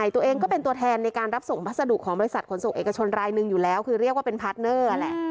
ตัวเองก็เป็นตัวแทนในการรับส่งพัสดุของบริษัทขนส่งเอกชนรายหนึ่งอยู่แล้วคือเรียกว่าเป็นพาร์ทเนอร์แหละ